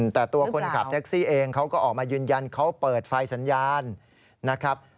แต่ตัวคนขับแท็กซี่เองเขาก็ออกมายืนยันเขาเปิดไฟสัญญาณนะครับ